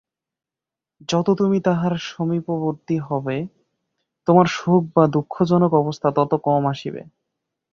যত তুমি তাঁহার সমীপবর্তী হইবে, তোমার শোক বা দুঃখজনক অবস্থা তত কম আসিবে।